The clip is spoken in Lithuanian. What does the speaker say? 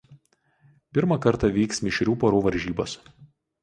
Pirmą kartą vyks mišrių porų varžybos.